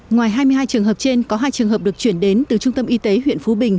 ngoài hai mươi hai trường hợp trên có hai trường hợp được chuyển đến từ trung tâm y tế huyện phú bình